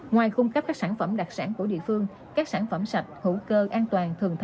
ngoài cung cấp các sản phẩm đặc sản của địa phương các sản phẩm sạch hữu cơ